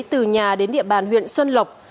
từ nhà đến địa bàn huyện xuân lộc